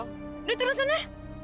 udah turun sana